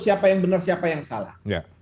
siapa yang benar siapa yang salah